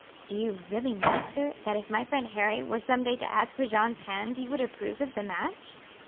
"Do you really mean, sir, that if my friend Harry were some day to ask for Jeanne's hand you would approve of the match?"